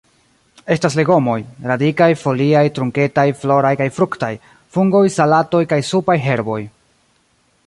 Estas legomoj: radikaj, foliaj, trunketaj, floraj kaj fruktaj; fungoj, salatoj kaj supaj herboj.